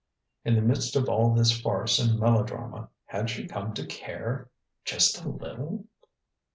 In the midst of all this farce and melodrama, had she come to care? just a little?